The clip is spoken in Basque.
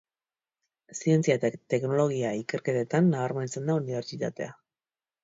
Zientzia eta teknologia ikerketetan nabarmentzen da unibertsitatea.